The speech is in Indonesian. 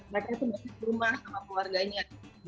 mereka itu masih di rumah sama keluarganya